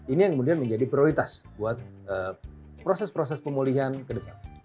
ini yang kemudian menjadi prioritas buat proses proses pemulihan ke depan